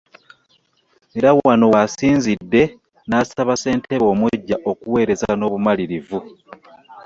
Era wano w'asinzidde n'asaba ssentebe omuggya okuweereza n'obumalirivu